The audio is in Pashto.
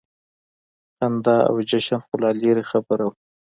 خندا او جشن خو لا لرې خبره وه.